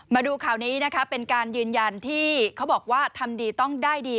มาดูข่าวนี้นะคะเป็นการยืนยันที่เขาบอกว่าทำดีต้องได้ดี